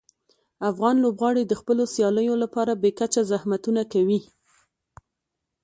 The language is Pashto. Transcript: افغان لوبغاړي د خپلو سیالیو لپاره بې کچه زحمتونه کوي.